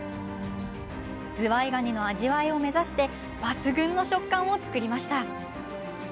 ズワイガニの味わいを目指して抜群の食感を作りました。